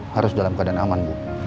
harus dalam keadaan aman